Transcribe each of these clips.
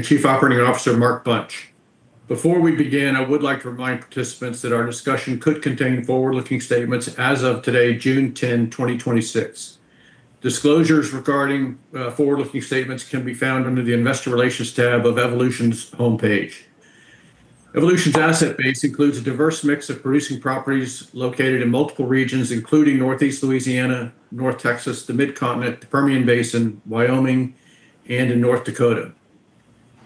Chief Operating Officer Mark Bunch. Before we begin, I would like to remind participants that our discussion could contain forward-looking statements as of today, June 10, 2026. Disclosures regarding forward-looking statements can be found under the investor relations tab of Evolution's homepage. Evolution's asset base includes a diverse mix of producing properties located in multiple regions, including Northeast Louisiana, North Texas, the Mid-Continent, the Permian Basin, Wyoming, and in North Dakota.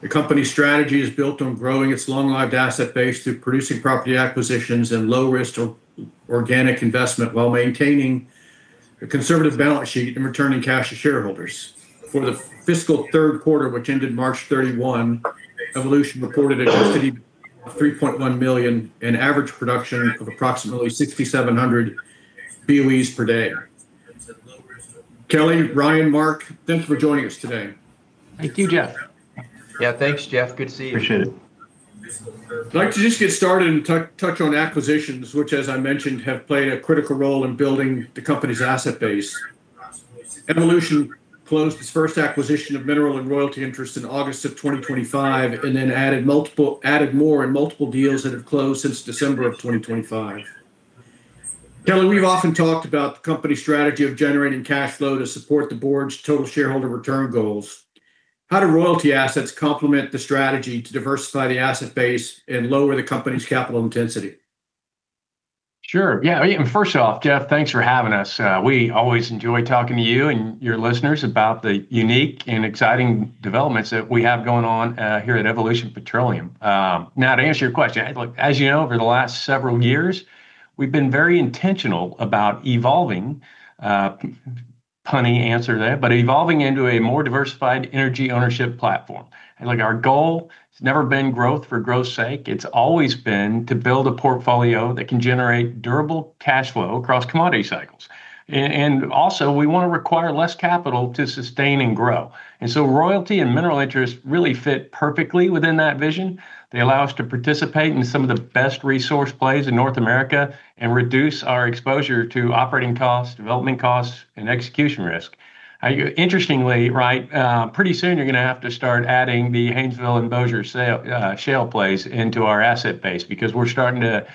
The company's strategy is built on growing its long-lived asset base through producing property acquisitions and low risk or organic investment while maintaining a conservative balance sheet and returning cash to shareholders. For the fiscal third quarter, which ended March 31, Evolution reported adjusted EBITDA of $3.1 million and average production of approximately 6,700 BOEs per day. Kelly, Ryan, Mark, thanks for joining us today. Thank you, Jeff. Yeah, thanks, Jeff. Good to see you. Appreciate it. I'd like to just get started and touch on acquisitions, which, as I mentioned, have played a critical role in building the company's asset base. Evolution closed its first acquisition of mineral and royalty interest in August of 2025, and then added more in multiple deals that have closed since December of 2025. Kelly, we've often talked about the company strategy of generating cash flow to support the board's total shareholder return goals. How do royalty assets complement the strategy to diversify the asset base and lower the company's capital intensity? Sure. Yeah. First off, Jeff, thanks for having us. We always enjoy talking to you and your listeners about the unique and exciting developments that we have going on here at Evolution Petroleum. To answer your question, look, as you know, over the last several years, we've been very intentional about evolving. Punny answer there, but evolving into a more diversified energy ownership platform. Look, our goal has never been growth for growth's sake. It's always been to build a portfolio that can generate durable cash flow across commodity cycles. Also, we want to require less capital to sustain and grow. Royalty and mineral interests really fit perfectly within that vision. They allow us to participate in some of the best resource plays in North America and reduce our exposure to operating costs, development costs, and execution risk. Interestingly, pretty soon, you're going to have to start adding the Haynesville and Bossier shale plays into our asset base because we're starting to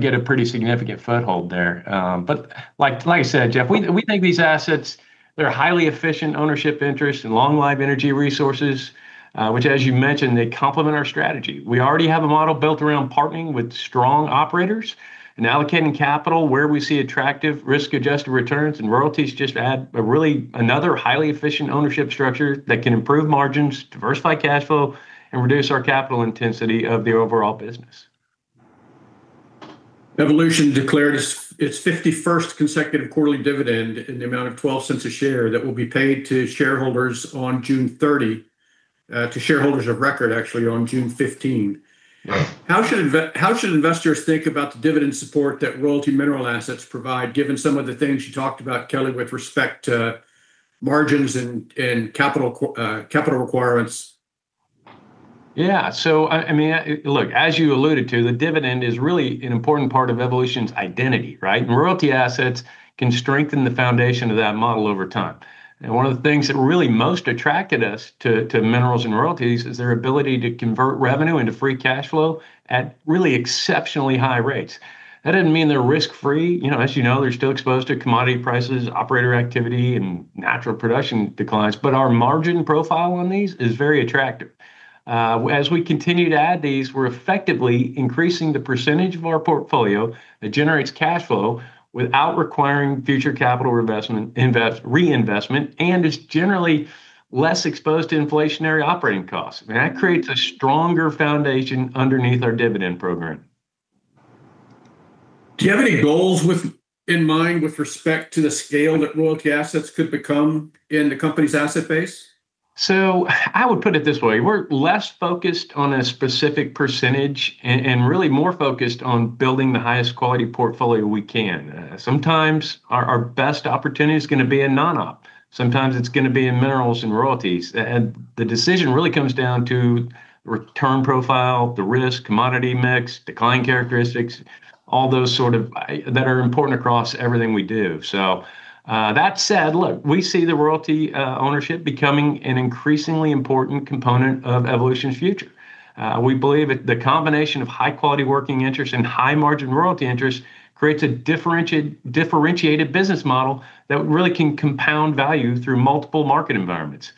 get a pretty significant foothold there. Like I said, Jeff, we think these assets, they're highly efficient ownership interest and long life energy resources. Which as you mentioned, they complement our strategy. We already have a model built around partnering with strong operators and allocating capital where we see attractive risk-adjusted returns, royalties just add a really another highly efficient ownership structure that can improve margins, diversify cash flow, and reduce our capital intensity of the overall business. Evolution declared its 51st consecutive quarterly dividend in the amount of $0.12 a share that will be paid to shareholders on June 30 to shareholders of record, actually, on June 15. Right. How should investors think about the dividend support that royalty mineral assets provide, given some of the things you talked about, Kelly, with respect to margins and capital requirements? As you alluded to, the dividend is really an important part of Evolution's identity, right? Royalty assets can strengthen the foundation of that model over time. One of the things that really most attracted us to minerals and royalties is their ability to convert revenue into free cash flow at really exceptionally high rates. That doesn't mean they're risk-free. As you know, they're still exposed to commodity prices, operator activity, and natural production declines. Our margin profile on these is very attractive. As we continue to add these, we're effectively increasing the percentage of our portfolio that generates cash flow without requiring future capital reinvestment, and is generally less exposed to inflationary operating costs. That creates a stronger foundation underneath our dividend program. Do you have any goals in mind with respect to the scale that royalty assets could become in the company's asset base? I would put it this way. We're less focused on a specific percentage and really more focused on building the highest quality portfolio we can. Sometimes our best opportunity is going to be in non-op. Sometimes it's going to be in minerals and royalties. The decision really comes down to return profile, the risk, commodity mix, decline characteristics, all those that are important across everything we do. That said, look, we see the royalty ownership becoming an increasingly important component of Evolution's future. We believe that the combination of high quality working interest and high margin royalty interest creates a differentiated business model that really can compound value through multiple market environments.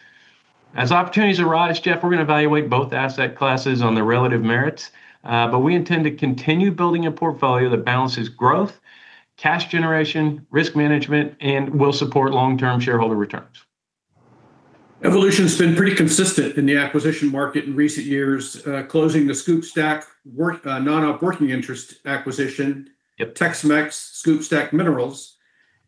As opportunities arise, Jeff, we're going to evaluate both asset classes on their relative merits. We intend to continue building a portfolio that balances growth, cash generation, risk management, and will support long-term shareholder returns. Evolution's been pretty consistent in the acquisition market in recent years. Closing the SCOOP/STACK non-op working interest acquisition. Yep. TexMex SCOOP/STACK minerals,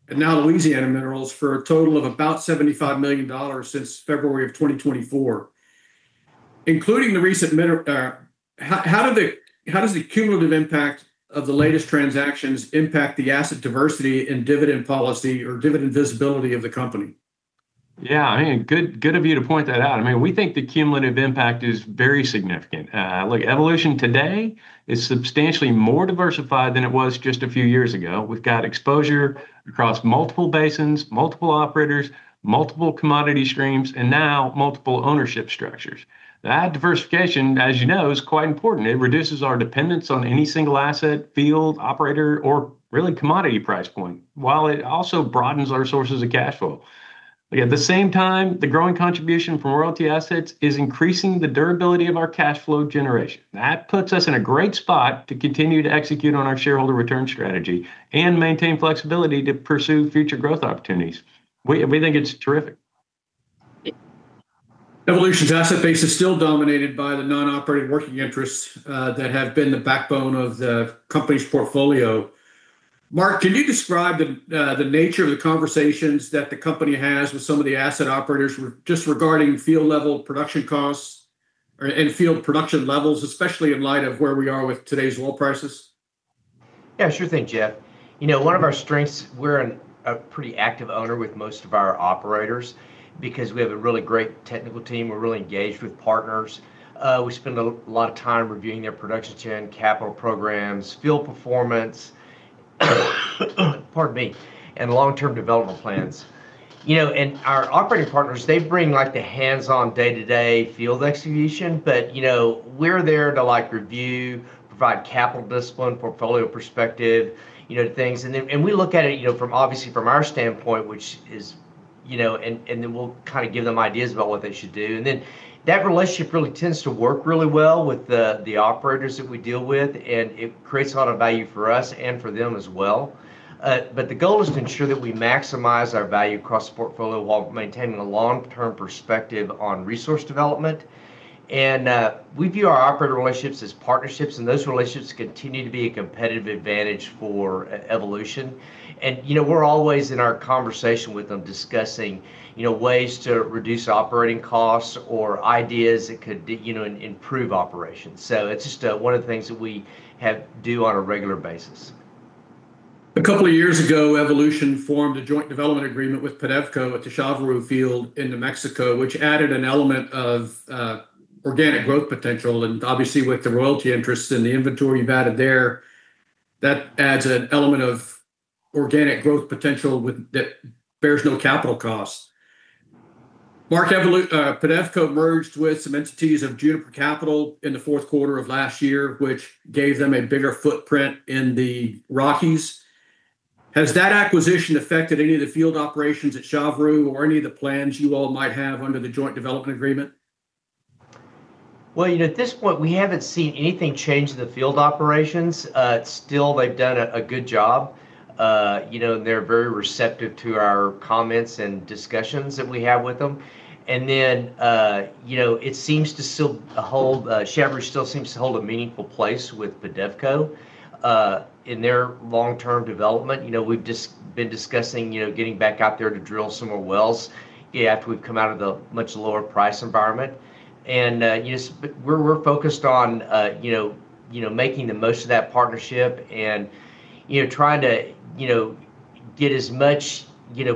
now Louisiana minerals for a total of about $75 million since February of 2024. How does the cumulative impact of the latest transactions impact the asset diversity and dividend policy or dividend visibility of the company? Yeah. Good of you to point that out. We think the cumulative impact is very significant. Look, Evolution today is substantially more diversified than it was just a few years ago. We've got exposure across multiple basins, multiple operators, multiple commodity streams, and now multiple ownership structures. That diversification, as you know, is quite important. It reduces our dependence on any single asset, field, operator, or really commodity price point, while it also broadens our sources of cash flow. At the same time, the growing contribution from royalty assets is increasing the durability of our cash flow generation. That puts us in a great spot to continue to execute on our shareholder return strategy and maintain flexibility to pursue future growth opportunities. We think it's terrific. Evolution's asset base is still dominated by the non-operating working interests that have been the backbone of the company's portfolio. Mark, can you describe the nature of the conversations that the company has with some of the asset operators just regarding field level production costs and field production levels, especially in light of where we are with today's oil prices? Sure thing, Jeff. One of our strengths, we're a pretty active owner with most of our operators because we have a really great technical team. We're really engaged with partners. We spend a lot of time reviewing their production chain, capital programs, field performance, and long-term development plans. Our operating partners, they bring the hands-on, day-to-day field execution. We're there to review, provide capital discipline, portfolio perspective things. We look at it, obviously, from our standpoint, then we'll kind of give them ideas about what they should do. That relationship really tends to work really well with the operators that we deal with, and it creates a lot of value for us and for them as well. The goal is to ensure that we maximize our value across the portfolio while maintaining a long-term perspective on resource development. We view our operator relationships as partnerships, and those relationships continue to be a competitive advantage for Evolution. We're always in our conversation with them discussing ways to reduce operating costs or ideas that could improve operations. It's just one of the things that we do on a regular basis. A couple of years ago, Evolution formed a joint development agreement with PEDEVCO at the Chaveroo Field in New Mexico, which added an element of organic growth potential. Obviously, with the royalty interest and the inventory you've added there, that adds an element of organic growth potential that bears no capital cost. Mark, PEDEVCO merged with some entities of Juniper Capital in the fourth quarter of last year, which gave them a bigger footprint in the Rockies. Has that acquisition affected any of the field operations at Chaveroo or any of the plans you all might have under the joint development agreement? Well, at this point, we haven't seen anything change the field operations. Still they've done a good job. They're very receptive to our comments and discussions that we have with them. Chaveroo still seems to hold a meaningful place with PEDEVCO in their long-term development. We've just been discussing getting back out there to drill some more wells after we've come out of the much lower price environment. We're focused on making the most of that partnership and trying to get as much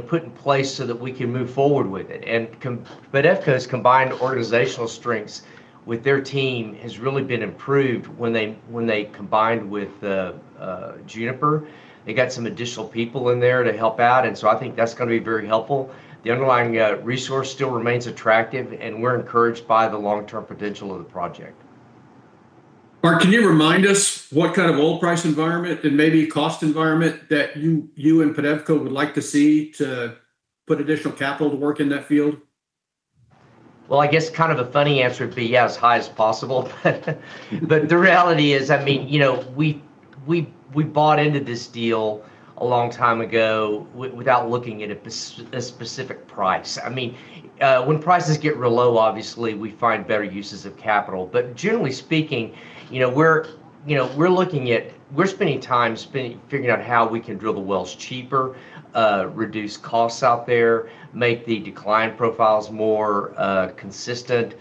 put in place so that we can move forward with it. PEDEVCO's combined organizational strengths with their team has really been improved when they combined with Juniper. They got some additional people in there to help out, I think that's going to be very helpful. The underlying resource still remains attractive, and we're encouraged by the long-term potential of the project. Mark, can you remind us what kind of oil price environment and maybe cost environment that you and PEDEVCO would like to see to put additional capital to work in that field? I guess kind of a funny answer would be, yeah, as high as possible. The reality is, we bought into this deal a long time ago without looking at a specific price. When prices get real low, obviously, we find better uses of capital. Generally speaking, we're spending time figuring out how we can drill the wells cheaper, reduce costs out there, make the decline profiles more consistent.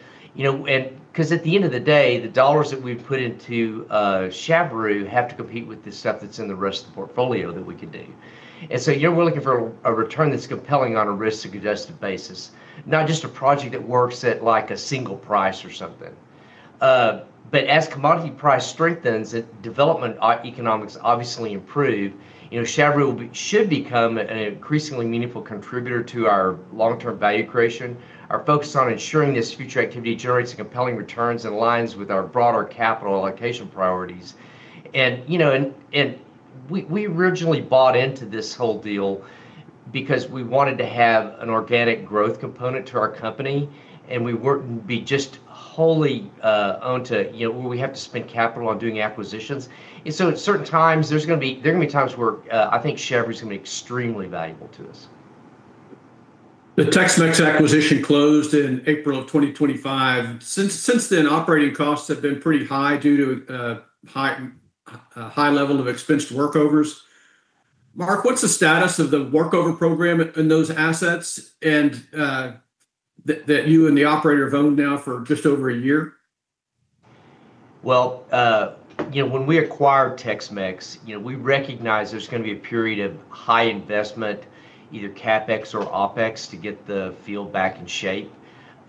At the end of the day, the dollars that we put into Chaveroo have to compete with the stuff that's in the rest of the portfolio that we could do. We're looking for a return that's compelling on a risk-adjusted basis, not just a project that works at, like, a single price or something. As commodity price strengthens, development economics obviously improve. Chaveroo should become an increasingly meaningful contributor to our long-term value creation. Our focus on ensuring this future activity generates compelling returns and aligns with our broader capital allocation priorities. We originally bought into this whole deal because we wanted to have an organic growth component to our company, and we wouldn't be just wholly owned to where we have to spend capital on doing acquisitions. At certain times, there are going to be times where I think Chaveroo's going to be extremely valuable to us. The TexMex acquisition closed in April of 2025. Since then, operating costs have been pretty high due to a high level of expensed workovers. Mark, what's the status of the workover program in those assets, and that you and the operator have owned now for just over a year? Well, when we acquired TexMex, we recognized there's going to be a period of high investment, either CapEx or OpEx, to get the field back in shape.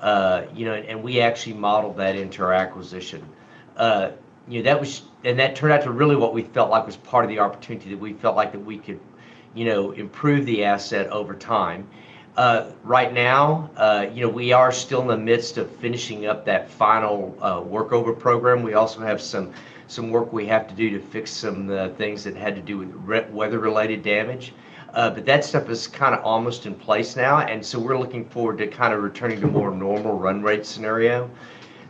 We actually modeled that into our acquisition. That turned out to really what we felt like was part of the opportunity that we felt like that we could improve the asset over time. Right now, we are still in the midst of finishing up that final workover program. We also have some work we have to do to fix some things that had to do with weather-related damage. That stuff is kind of almost in place now, we're looking forward to returning to more normal run rate scenario.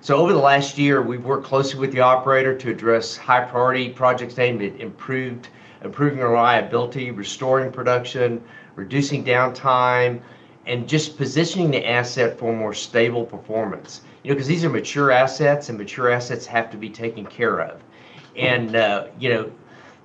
Over the last year, we've worked closely with the operator to address high priority projects aimed at improving our liability, restoring production, reducing downtime, and just positioning the asset for more stable performance. Because these are mature assets, and mature assets have to be taken care of.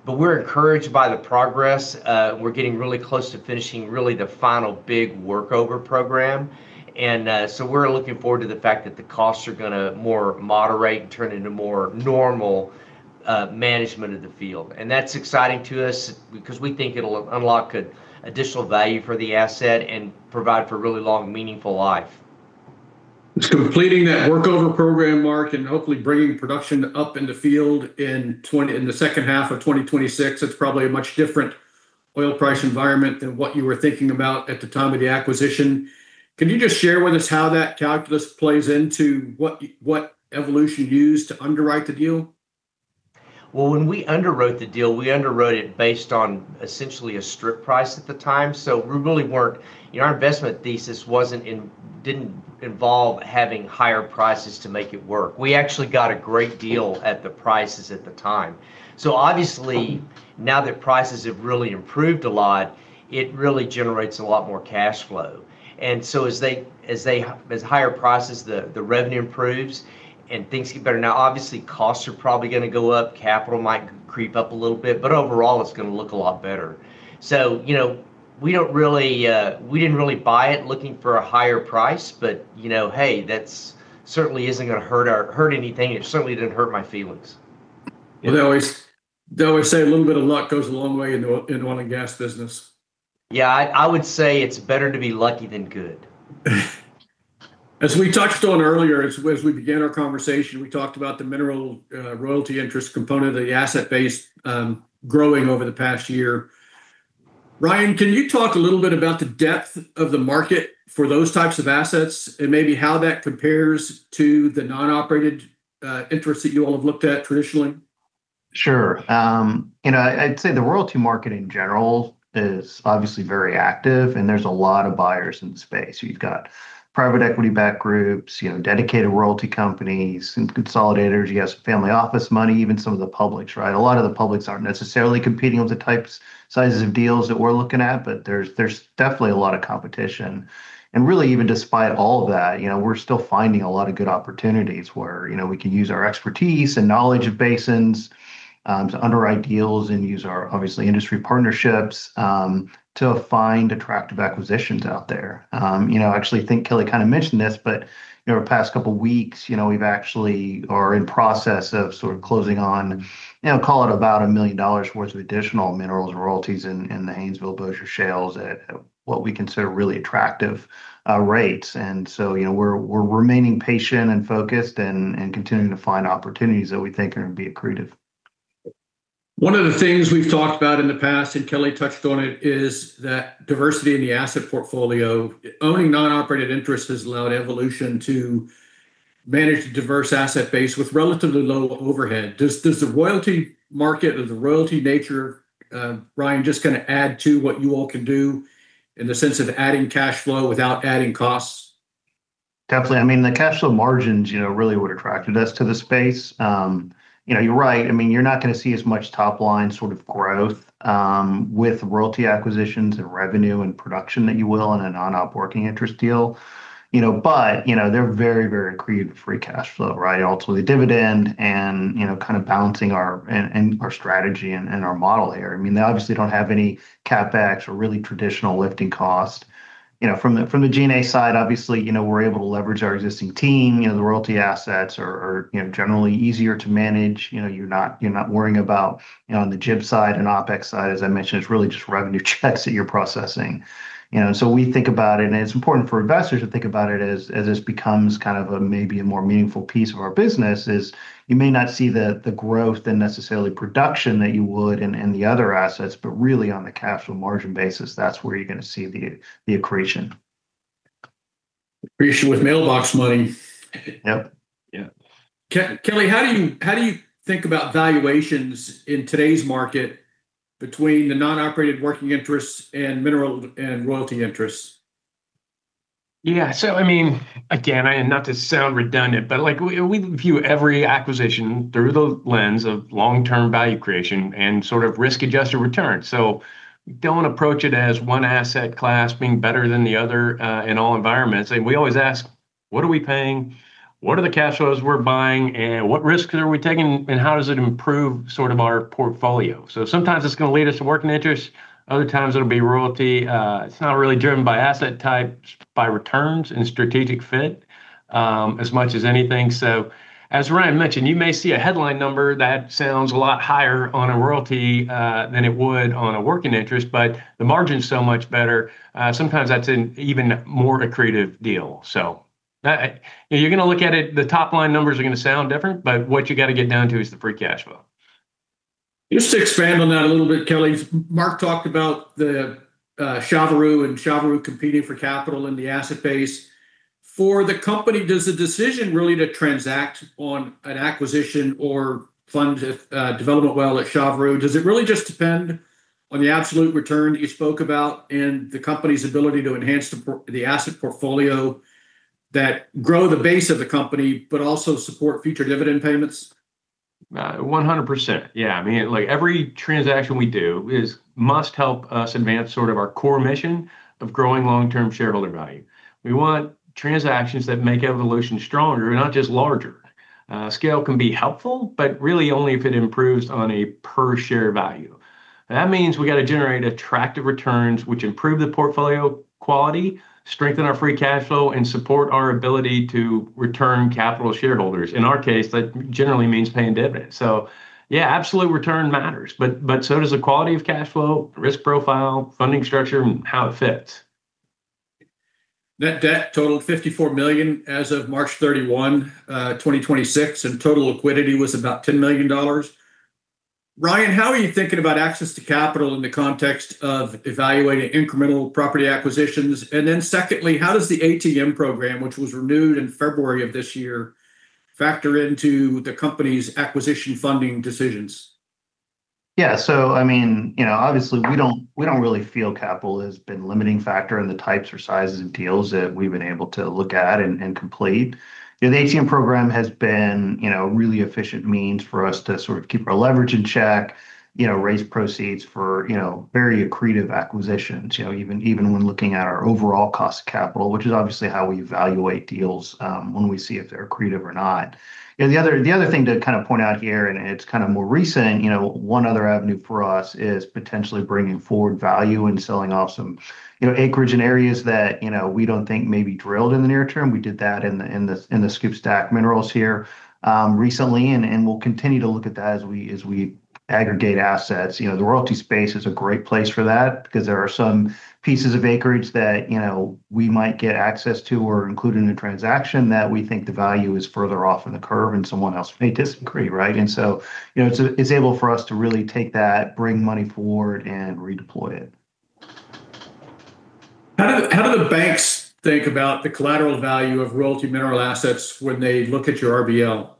We're encouraged by the progress. We're getting really close to finishing really the final big workover program. We're looking forward to the fact that the costs are going to more moderate and turn into more normal management of the field. That's exciting to us because we think it'll unlock additional value for the asset and provide for a really long, meaningful life. Completing that workover program, Mark, hopefully bringing production up in the field in the second half of 2026, it's probably a much different oil price environment than what you were thinking about at the time of the acquisition. Can you just share with us how that calculus plays into what Evolution used to underwrite the deal? Well, when we underwrote the deal, we underwrote it based on essentially a strip price at the time. Our investment thesis didn't involve having higher prices to make it work. We actually got a great deal at the prices at the time. Obviously, now that prices have really improved a lot, it really generates a lot more cash flow. As higher prices, the revenue improves and things get better. Now, obviously, costs are probably going to go up. Capital might creep up a little bit, overall, it's going to look a lot better. We didn't really buy it looking for a higher price, hey, that certainly isn't going to hurt anything. It certainly didn't hurt my feelings. They always say a little bit of luck goes a long way in oil and gas business. Yeah, I would say it's better to be lucky than good. As we touched on earlier, as we began our conversation, we talked about the mineral royalty interest component of the asset base growing over the past year. Ryan, can you talk a little bit about the depth of the market for those types of assets and maybe how that compares to the non-operated interests that you all have looked at traditionally? Sure. I'd say the royalty market, in general, is obviously very active, and there's a lot of buyers in the space. You've got private equity-backed groups, dedicated royalty companies, and consolidators. You have some family office money, even some of the publics, right? A lot of the publics aren't necessarily competing with the types, sizes of deals that we're looking at, but there's definitely a lot of competition. Really, even despite all of that, we're still finding a lot of good opportunities where we can use our expertise and knowledge of basins to underwrite deals and use our, obviously, industry partnerships to find attractive acquisitions out there. I actually think Kelly kind of mentioned this, the past couple of weeks, we've actually are in process of sort of closing on, call it about a million dollar worth of additional minerals royalties in the Haynesville Bossier Shales at what we consider really attractive rates. We're remaining patient and focused and continuing to find opportunities that we think are going to be accretive. One of the things we've talked about in the past, Kelly touched on it, is that diversity in the asset portfolio. Owning non-operated interests has allowed Evolution to manage the diverse asset base with relatively low overhead. Does the royalty market or the royalty nature, Ryan, just kind of add to what you all can do in the sense of adding cash flow without adding costs? Definitely. I mean, the cash flow margins really what attracted us to the space. You're right. You're not going to see as much top-line sort of growth with royalty acquisitions and revenue and production that you will in a non-op working interest deal. They're very accretive free cash flow, right? Ultimately dividend and kind of balancing our strategy and our model there. They obviously don't have any CapEx or really traditional lifting cost. From the G&A side, obviously, we're able to leverage our existing team. The royalty assets are generally easier to manage. You're not worrying about on the G&A side and OpEx side, as I mentioned, it's really just revenue checks that you're processing. We think about it, and it's important for investors to think about it as this becomes kind of maybe a more meaningful piece of our business, you may not see the growth and necessarily production that you would in the other assets, really on the cash flow margin basis, that's where you're going to see the accretion. Accretion with mailbox money. Yep. Yeah. Kelly, how do you think about valuations in today's market between the non-operated working interests and mineral and royalty interests? Yeah. Again, not to sound redundant, but we view every acquisition through the lens of long-term value creation and sort of risk-adjusted return. We don't approach it as one asset class being better than the other in all environments. We always ask, "What are we paying? What are the cash flows we're buying, and what risks are we taking, and how does it improve sort of our portfolio?" Sometimes it's going to lead us to working interest. Other times, it'll be royalty. It's not really driven by asset type, it's by returns and strategic fit as much as anything. As Ryan mentioned, you may see a headline number that sounds a lot higher on a royalty than it would on a working interest, but the margin's so much better. Sometimes that's an even more accretive deal. You're going to look at it, the top-line numbers are going to sound different, but what you've got to get down to is the free cash flow. Just to expand on that a little bit, Kelly. Mark talked about the Chaveroo and Chaveroo competing for capital in the asset base. For the company, does the decision really to transact on an acquisition or fund a development well at Chaveroo, does it really just depend on the absolute return that you spoke about and the company's ability to enhance the asset portfolio that grow the base of the company, but also support future dividend payments? 100%. Yeah. Every transaction we do must help us advance our core mission of growing long-term shareholder value. We want transactions that make Evolution stronger, not just larger. Scale can be helpful, but really only if it improves on a per share value. That means we've got to generate attractive returns which improve the portfolio quality, strengthen our free cash flow, and support our ability to return capital to shareholders. In our case, that generally means paying dividends. Yeah, absolute return matters, but so does the quality of cash flow, risk profile, funding structure, and how it fits. Net debt totaled $54 million as of March 31, 2026, and total liquidity was about $10 million. Ryan, how are you thinking about access to capital in the context of evaluating incremental property acquisitions? Secondly, how does the ATM program, which was renewed in February of this year, factor into the company's acquisition funding decisions? Yeah. Obviously, we don't really feel capital has been a limiting factor in the types or sizes of deals that we've been able to look at and complete. The ATM program has been a really efficient means for us to keep our leverage in check, raise proceeds for very accretive acquisitions. Even when looking at our overall cost of capital, which is obviously how we evaluate deals when we see if they're accretive or not. The other thing to point out here, and it's more recent, one other avenue for us is potentially bringing forward value and selling off some acreage in areas that we don't think may be drilled in the near term. We did that in the SCOOP/STACK minerals here recently. We'll continue to look at that as we aggregate assets. The royalty space is a great place for that because there are some pieces of acreage that we might get access to or included in a transaction that we think the value is further off in the curve and someone else may disagree. It's able for us to really take that, bring money forward, and redeploy it. How do the banks think about the collateral value of royalty mineral assets when they look at your RBL?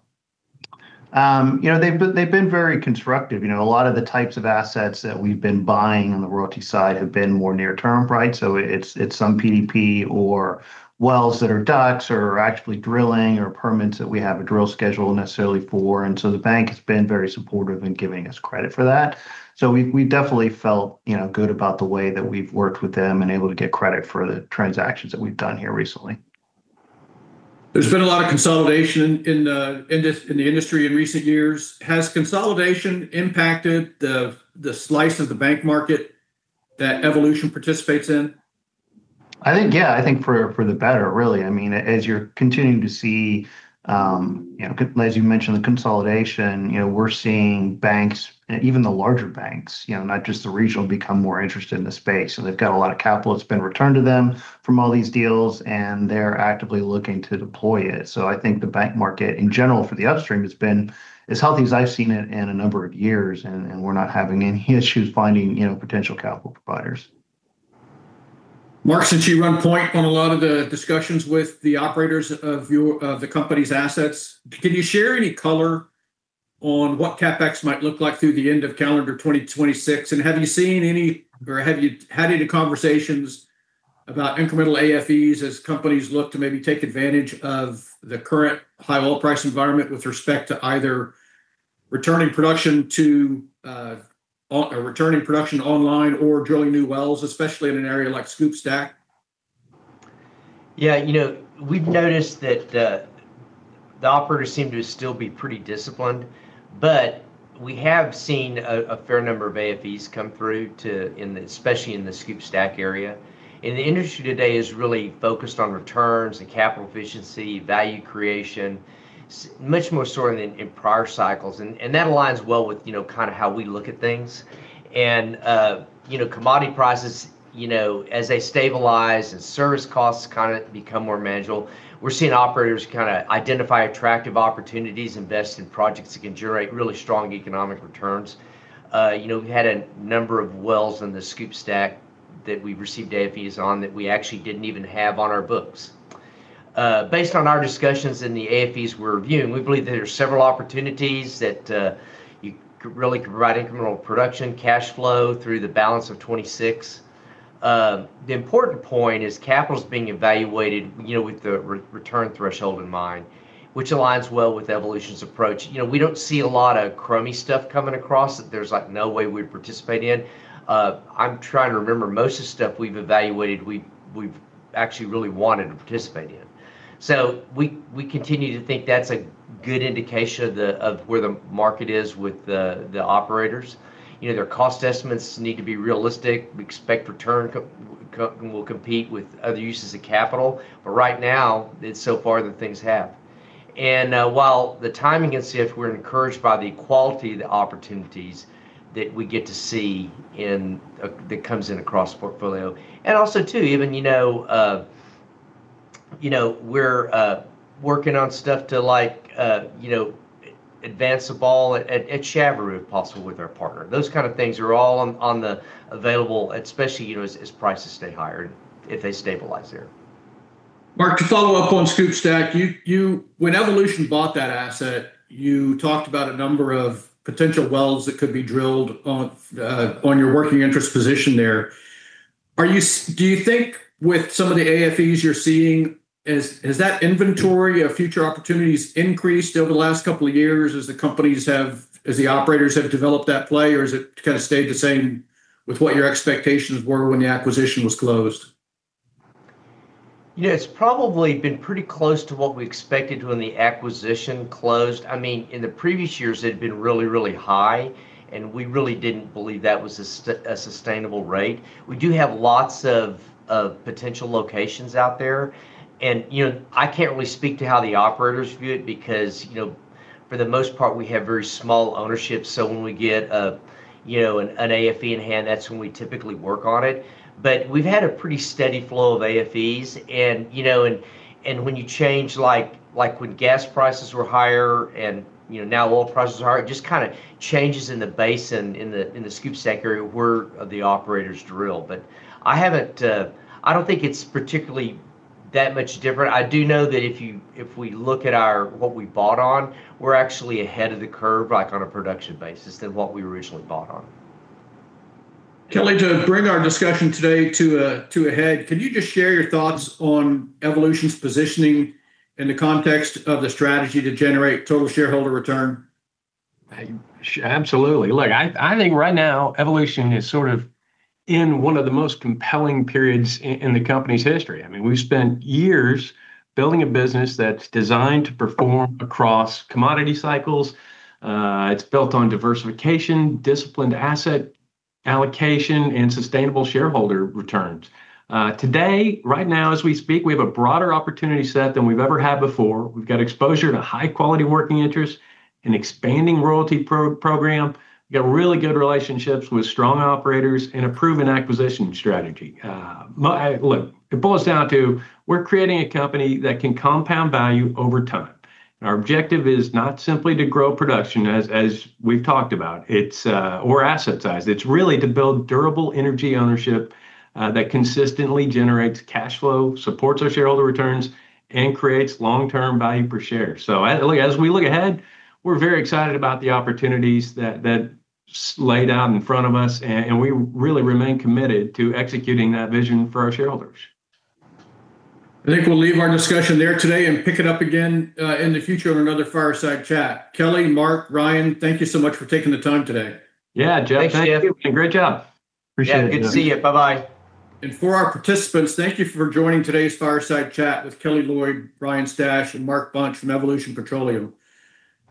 They've been very constructive. A lot of the types of assets that we've been buying on the royalty side have been more near term. It's some PDP or wells that are DUCs or are actually drilling or permits that we have a drill schedule necessarily for. The bank has been very supportive in giving us credit for that. We definitely felt good about the way that we've worked with them and able to get credit for the transactions that we've done here recently. There's been a lot of consolidation in the industry in recent years. Has consolidation impacted the slice of the bank market that Evolution participates in? I think for the better. As you're continuing to see, as you mentioned, the consolidation, we're seeing banks, even the larger banks, not just the regional, become more interested in the space. They've got a lot of capital that's been returned to them from all these deals, and they're actively looking to deploy it. I think the bank market in general for the upstream has been as healthy as I've seen it in a number of years, and we're not having any issues finding potential capital providers. Mark, since you run point on a lot of the discussions with the operators of the company's assets, can you share any color on what CapEx might look like through the end of calendar 2026? Have you seen any, or have you had any conversations about incremental AFEs as companies look to maybe take advantage of the current high oil price environment with respect to either returning production online or drilling new wells, especially in an area like SCOOP/STACK? We've noticed that the operators seem to still be pretty disciplined, but we have seen a fair number of AFEs come through, especially in the SCOOP/STACK area. The industry today is really focused on returns and capital efficiency, value creation, much more so than in prior cycles. That aligns well with how we look at things. Commodity prices, as they stabilize and service costs become more manageable, we're seeing operators identify attractive opportunities, invest in projects that can generate really strong economic returns. We had a number of wells in the SCOOP/STACK that we received AFEs on that we actually didn't even have on our books. Based on our discussions in the AFEs we're reviewing, we believe that there are several opportunities that really could provide incremental production, cash flow through the balance of 2026. The important point is capital's being evaluated with the return threshold in mind, which aligns well with Evolution's approach. We don't see a lot of crummy stuff coming across that there's no way we'd participate in. I'm trying to remember, most of the stuff we've evaluated, we've actually really wanted to participate in. We continue to think that's a good indication of where the market is with the operators. Their cost estimates need to be realistic. We expect return will compete with other uses of capital. While the timing can see if we're encouraged by the quality of the opportunities that we get to see that comes in across the portfolio. Also, we're working on stuff to advance the ball at Chaveroo possible with our partner. Those kind of things are all on the available, especially, as prices stay higher, if they stabilize there. Mark, to follow up on SCOOP/STACK, when Evolution bought that asset, you talked about a number of potential wells that could be drilled on your working interest position there. Do you think with some of the AFEs you're seeing, has that inventory of future opportunities increased over the last couple of years as the operators have developed that play, or has it kind of stayed the same with what your expectations were when the acquisition was closed? Yeah, it's probably been pretty close to what we expected when the acquisition closed. In the previous years, it had been really, really high, and we really didn't believe that was a sustainable rate. We do have lots of potential locations out there, and I can't really speak to how the operators view it because, for the most part, we have very small ownership. When we get an AFE in hand, that's when we typically work on it. We've had a pretty steady flow of AFEs, and when you change, like when gas prices were higher and now oil prices are higher, it just kind of changes in the basin, in the SCOOP/STACK area where the operators drill. I don't think it's particularly that much different. I do know that if we look at what we bought on, we're actually ahead of the curve on a production basis than what we originally bought on. Kelly, to bring our discussion today to a head, can you just share your thoughts on Evolution's positioning in the context of the strategy to generate total shareholder return? Absolutely. Look, I think right now, Evolution is sort of in one of the most compelling periods in the company's history. We've spent years building a business that's designed to perform across commodity cycles. It's built on diversification, disciplined asset allocation, and sustainable shareholder returns. Today, right now, as we speak, we have a broader opportunity set than we've ever had before. We've got exposure to high-quality working interest, an expanding royalty program, got really good relationships with strong operators, and a proven acquisition strategy. Look, it boils down to we're creating a company that can compound value over time. Our objective is not simply to grow production, as we've talked about. It's or asset size. It's really to build durable energy ownership that consistently generates cash flow, supports our shareholder returns, and creates long-term value per share. As we look ahead, we're very excited about the opportunities that lay down in front of us, and we really remain committed to executing that vision for our shareholders. I think we'll leave our discussion there today and pick it up again in the future on another Fireside Chat. Kelly, Mark, Ryan, thank you so much for taking the time today. Yeah, Jeff. Thanks, Jeff. Thank you. Great job. Appreciate it. Yeah, good to see you. Bye-bye. For our participants, thank you for joining today's Fireside Chat with Kelly Loyd, Ryan Stash, and Mark Bunch from Evolution Petroleum.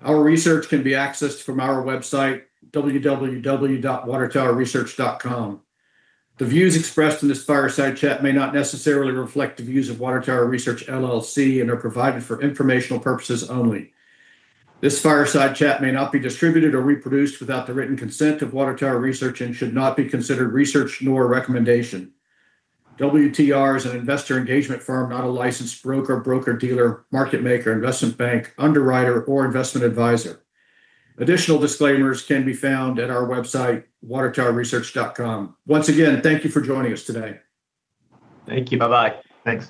Our research can be accessed from our website, watertowerresearch.com. The views expressed in this Fireside Chat may not necessarily reflect the views of Water Tower Research LLC, and are provided for informational purposes only. This Fireside Chat may not be distributed or reproduced without the written consent of Water Tower Research and should not be considered research nor a recommendation. WTR is an investor engagement firm, not a licensed broker-dealer, market maker, investment bank, underwriter, or investment advisor. Additional disclaimers can be found at our website, watertowerresearch.com. Once again, thank you for joining us today. Thank you. Bye-bye. Thanks.